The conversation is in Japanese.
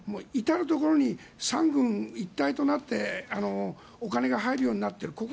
至るところに三軍一体となってお金が入るようになっている。